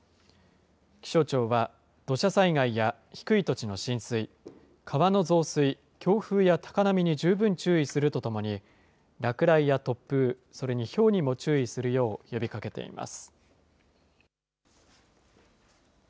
気象庁は土砂災害や低い土地の浸水、川の増水、強風や高波に十分注意するとともに、落雷や突風、それにひょうにも注意するよう呼びかけています。